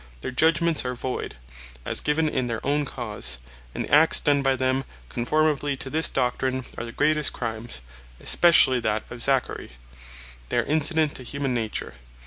their Judgments are void, as given in their own Cause; and the Acts done by them conformably to this Doctrine, are the greatest Crimes (especially that of Zachary) that are incident to Humane Nature.